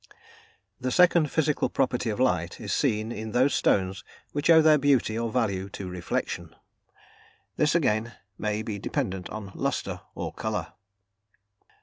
The second physical property of light is seen in those stones which owe their beauty or value to REFLECTION: this again may be dependent on Lustre, or Colour.